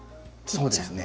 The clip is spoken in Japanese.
そうですね。